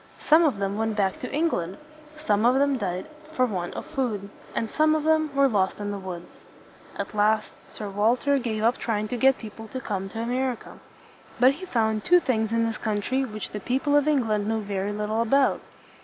Some of them went back to England; some of them died for want of food; and some of them were lost in the woods. At last Sir Walter gave up trying to get people to come to America. But he found two things in this country which the people of England knew very little about.